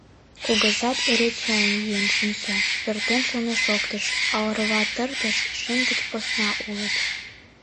— Кугызат эре чайым йӱын шинча, — пӧртӧнчылнӧ шоктыш, — а орва тыртыш шин деч посна улыт.